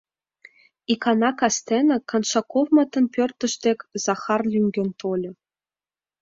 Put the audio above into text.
Икана кастене Коншаковмытын пӧртышт дек Захар лӱҥген тольо.